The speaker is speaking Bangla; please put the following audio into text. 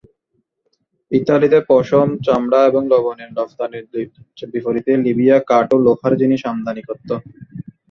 ইতালিতে পশম, চামড়া এবং লবণের রপ্তানির বিপরীতে লিবিয়া কাঠ ও লোহার জিনিস আমদানি করতো।